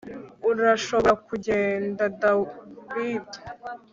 Urashobora kugenda David